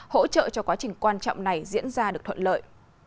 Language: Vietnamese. hỗ trợ cho quá trình quan trọng này diễn ra được thuận lợi